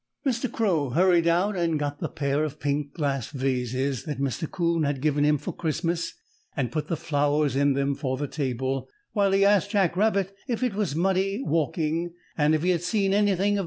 Mr. Crow hurried out and got the pair of pink glass vases that Mr. 'Coon had given him for Christmas and put the flowers in them for the table, while he asked Jack Rabbit if it was muddy walking and if he had seen anything of Mr. Turtle.